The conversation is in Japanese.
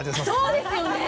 そうですよね。